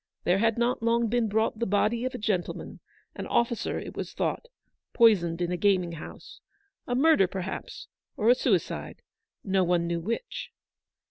There had not long been brought the body of a gentleman, an officer it was thought, poisoned in a gaming house. A murder, perhaps, or a suicide ; no one knew which.